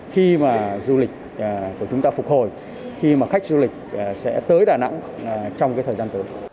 khi mà du lịch của chúng ta phục hồi khi mà khách du lịch sẽ tới đà nẵng trong cái thời gian tới